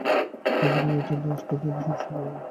যেমন ওয়েটার না আসলে পানি সবসময় কফিতে বদলে যাওয়া।